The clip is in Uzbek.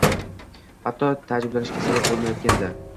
Hatto taajjublanishiga sabab bo‘layotgandi.